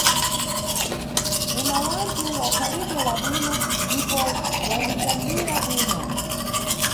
Kuna wanthu wa khalidwe la bwino ndipo wanditambira bwino.